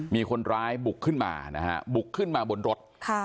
มีคนร้ายบุกขึ้นมานะฮะบุกขึ้นมาบนรถ